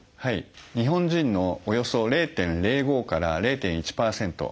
日本人のおよそ０．０５から０．１％